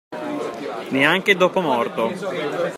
Neanche dopo morto.